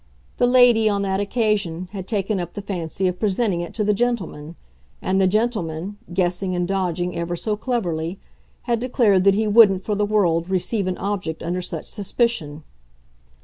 The lady, on that occasion, had taken up the fancy of presenting it to the gentleman, and the gentleman, guessing and dodging ever so cleverly, had declared that he wouldn't for the world receive an object under such suspicion.